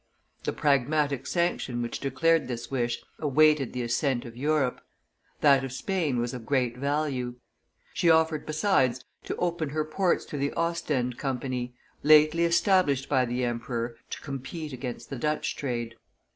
The Pragmatic Sanction which declared this wish awaited the assent of Europe; that of Spain was of great value; she offered, besides, to open her ports to the Ostend Company, lately established by the emperor to compete against the Dutch trade.